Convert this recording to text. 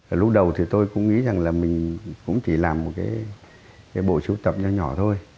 ở lúc đầu thì tôi cũng nghĩ rằng là mình cũng chỉ làm một cái bộ sưu tập nhỏ nhỏ thôi